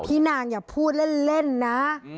นางอย่าพูดเล่นนะ